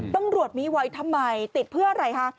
ตำรวจมีไว้ทำไมติดเพื่ออะไรคะ